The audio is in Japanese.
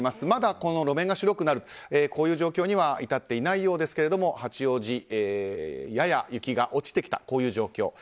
まだ路面が白くなるこういう状況には至っていないようですが八王子、やや雪が落ちてきた状況。